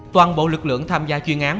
toàn bộ lực lượng tham gia chuyên án